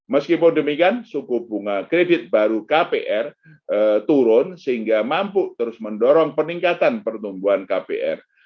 meskipun demikian suku bunga kredit baru kpr turun sehingga mampu terus mendorong peningkatan pertumbuhan kpr